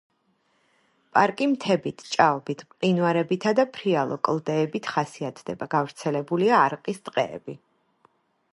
პარკი მთებით, ჭაობით, მყინვარებითა და ფრიალო კლდეებით ხასიათდება; გავრცელებულია არყის ტყეები.